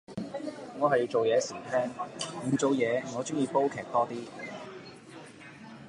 我係做嘢時聽，唔做嘢我鍾意煲劇多啲